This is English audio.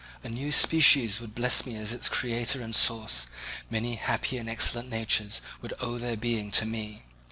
A new species would bless me as its creator and source; many happy and excellent natures would owe their being to me.